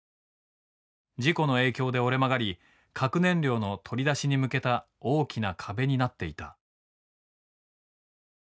事故の影響で折れ曲がり核燃料の取り出しに向けた大きな壁になっていた。